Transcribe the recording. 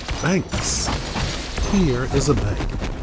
"_ BANKS Here is a bank.